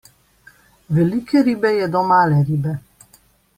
Velike ribe jedo malo ribe.